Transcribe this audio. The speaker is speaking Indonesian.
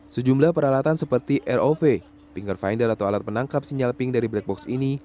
sejumlah peralatan seperti rov pinker finder atau alat penangkap sinyal pink dari black box ini